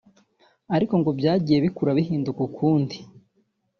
ariko ngo byagiye bikura bihinduka ukundi